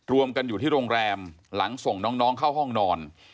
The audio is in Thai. รวมกันอยู่ที่โรงแรมหลังส่งน้องเข้าห้องนอน